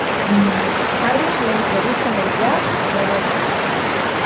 Harris le introdujo en el jazz moderno.